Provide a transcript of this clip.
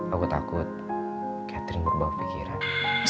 aku takut catherine berbawa pikiran